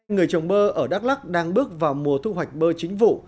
người trồng bơ ở đắk lắc đang bước vào mùa thu hoạch bơ chính vụ